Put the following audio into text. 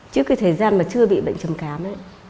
trước cái thời gian mà chưa bị bệnh trầm cảm ấy